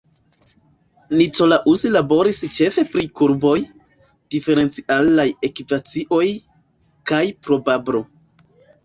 Nicolaus laboris ĉefe pri kurboj, diferencialaj ekvacioj, kaj probablo.